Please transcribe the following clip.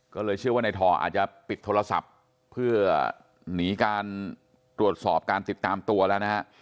ก็เลยเชื่อว่าในทออาจจะปิดโทรศัพท์เพื่อหนีการตรวจสอบการติดตามตัวแล้วนะฮะ